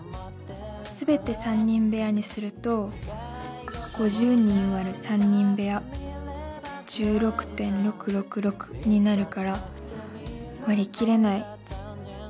すべて３人部屋にすると５０人割る３人部屋１６．６６６になるから割り切れない。